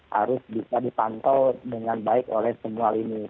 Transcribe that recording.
harus bisa dipantau dengan baik oleh semua lini